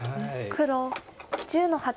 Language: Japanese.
黒１０の八。